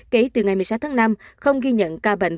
kể từ ngày một mươi sáu tháng năm không ghi nhận ca bệnh